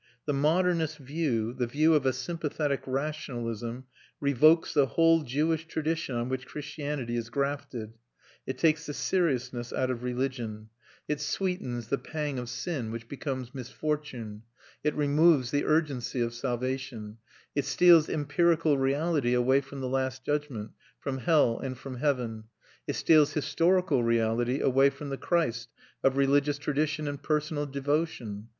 The modernist view, the view of a sympathetic rationalism, revokes the whole Jewish tradition on which Christianity is grafted; it takes the seriousness out of religion; it sweetens the pang of sin, which becomes misfortune; it removes the urgency of salvation; it steals empirical reality away from the last judgment, from hell, and from heaven; it steals historical reality away from the Christ of religious tradition and personal devotion.